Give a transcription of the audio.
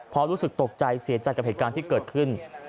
เพราะรู้สึกตกใจเสียใจกับเหตุการณ์ที่เกิดขึ้น